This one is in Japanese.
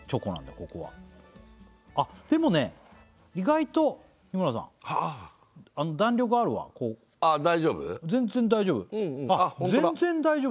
ここはあっでもね意外と日村さん弾力あるわああ大丈夫？